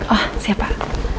oh siap pak